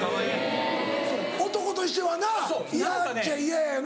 男としてはな嫌っちゃ嫌やよな。